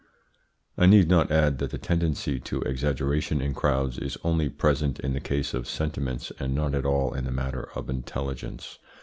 I need not add that the tendency to exaggeration in crowds is only present in the case of sentiments and not at all in the matter of intelligence.